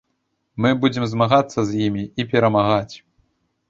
Мы будзем змагацца з імі і перамагаць.